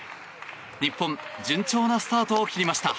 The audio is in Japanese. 日本、順調なスタートを切りました。